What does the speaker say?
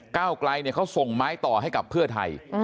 ก้าวไกลเขาส่งไม้ต่อให้กับเพื่อไทย